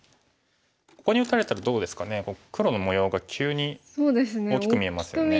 ここに打たれたらどうですかね黒の模様が急に大きく見えますよね。